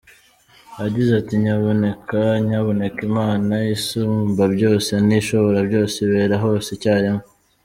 Yagize ati” Nyabuneka Nyabuneka, Imana ni Isumbabyose, ni Ishoborabyose, Ibera hose icyarimwe.